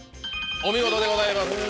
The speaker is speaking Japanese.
お見事でございます。